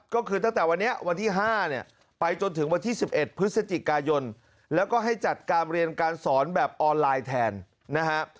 ก็คือตั้งแต่วันนี้วันที่๕เนี่ยไปจนถึงวันที่๑๑พฤศจิกายนแล้วก็ให้จัดการเรียนการสอนแบบออนไลน์แทนนะฮะ